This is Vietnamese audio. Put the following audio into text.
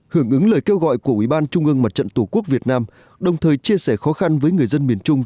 hưởng ứng lời kêu gọi của ubnd mặt trận tổ quốc việt nam đồng thời chia sẻ khó khăn với người dân miền trung